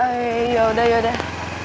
eh yaudah yaudah